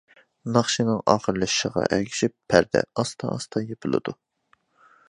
ناخشىنىڭ ئاخىرلىشىشىغا ئەگىشىپ، پەردە ئاستا-ئاستا يېپىلىدۇ.